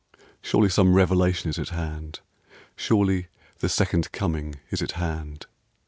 Surely some revelation is at hand; Surely the Second Coming is at hand.